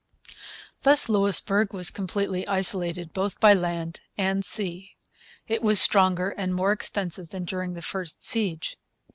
Thus Louisbourg was completely isolated, both by land and sea. It was stronger and more extensive than during the first siege.